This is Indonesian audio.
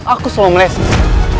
aku selalu melesat